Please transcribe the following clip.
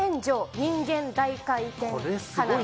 人間大回転花火。